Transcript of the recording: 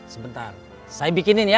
sebentar saya bikinin ya